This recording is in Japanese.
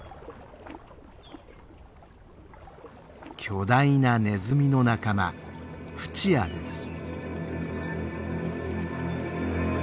巨大なネズミの仲間フチアです。